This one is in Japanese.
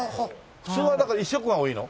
普通はだから１色が多いの？